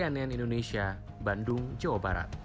cnn indonesia bandung jawa barat